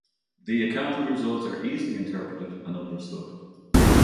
The accounting results are easily interpreted and understood.